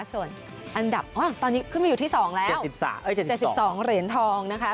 ส่วนอันดับตอนนี้ขึ้นมาอยู่ที่๒แล้ว๗๒เหรียญทองนะคะ